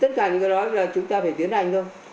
tất cả những cái đó là chúng ta phải tiến hành thôi